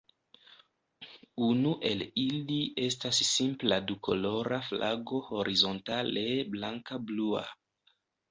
Unu el ili estas simpla dukolora flago horizontale blanka-blua.